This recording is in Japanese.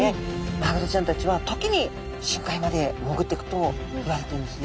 マグロちゃんたちは時に深海まで潜っていくといわれてるんですね。